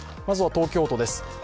まずは東京都です。